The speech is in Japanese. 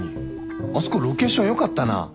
あそこロケーション良かったな。